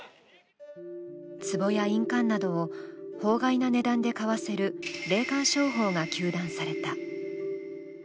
つぼや印鑑などを法外な値段で買わせる霊感商法が糾弾された。